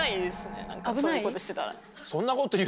そういうことしてたら。